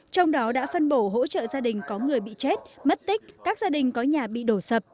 trong đó đã phân bổ hỗ trợ gia đình có người bị chết mất tích các gia đình có nhà bị đổ sập